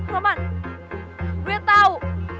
roman gue tau